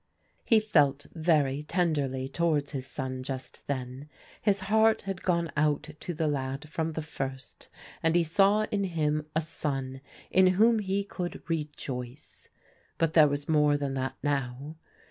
He felt very tenderly towards his son just then. His heart had gone out to the lad from the first, and he saw in him a son in whom he could rejoice. But there was more than that now.